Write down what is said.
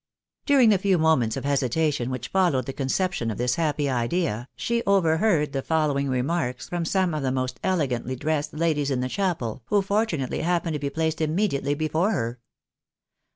During the few moments of hesitation which followed the conception of this happy idea, she overheard the following remarks from some of the most elegantly dressed ladies in the cliapel, who fortunately happened to be placed immediately before her.